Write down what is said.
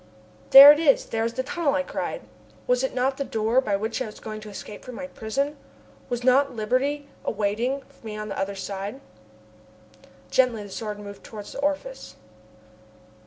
"There it is, there is the tunnel!" I cried. Was it not the door by which I was going to escape from my prison? Was not liberty awaiting me on the other side? Gently the Sword moved towards the orifice.